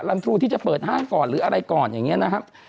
ันทรูที่จะเปิดห้างก่อนหรืออะไรก่อนอย่างนี้นะครับ